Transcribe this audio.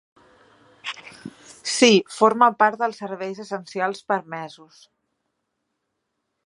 Sí, forma part dels serveis essencials permesos.